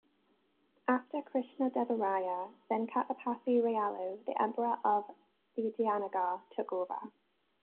After Krishna Deva Raya, Venkatapathi Rayalu, the Emperor of Vijayanagar, took over.